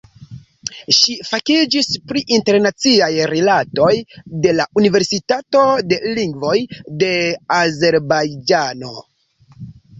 Ŝi fakiĝis pri Internaciaj Rilatoj de la Universitato de Lingvoj de Azerbajĝano.